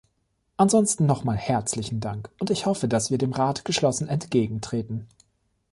Ansonsten nochmal herzlichen Dank, und ich hoffe, dass wir dem Rat geschlossen entgegentreten.